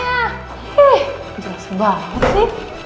ih jelas banget sih